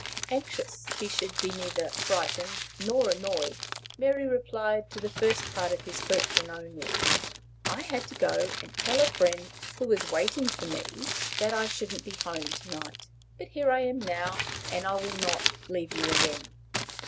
Anxious he should be neither frightened nor annoyed, Mary replied to the first part of his question only. "I had to go and tell a friend, who was waiting for me, that I shouldn't be home to night. But here I am now, and I will not leave you again."